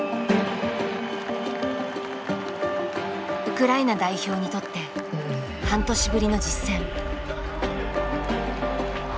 ウクライナ代表にとって半年ぶりの実戦。